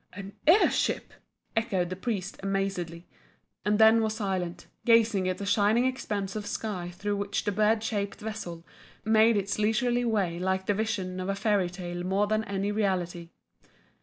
"An air ship!" echoed the priest amazedly, and then was silent, gazing at the shining expanse of sky through which the bird shaped vessel made its leisurely way like the vision of a fairy tale more than any reality.